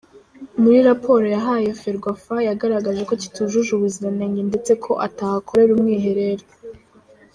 Muri raporo yahaye Ferwafa yagaragaje ko kitujuje ubuziranenge ndetse ko atahakorera umwiherero.